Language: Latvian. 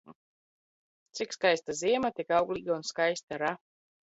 Cik skaista ziema, tik augl?ga un skaista ra